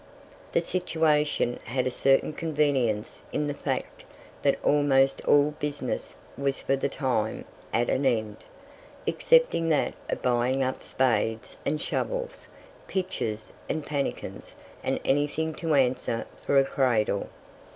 The situation had a certain convenience in the fact that almost all business was for the time at an end, excepting that of buying up spades and shovels, pitchers and pannikins, and anything to answer for a cradle.